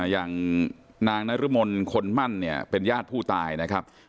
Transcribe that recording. นางนะเรื้อมลคนมั่นเป็นญาติผู้ตายนะครับ